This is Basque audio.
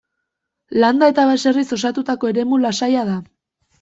Landa eta baserriz osatutako eremu lasaia da.